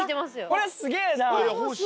これ、すげーな。